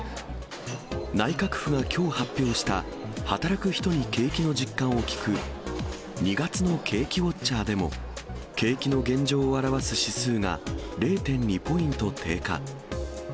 内閣府がきょう発表した、働く人に景気の実感を聞く２月の景気ウォッチャーでも、景気の現状を表す指数が０．２ポイント低下。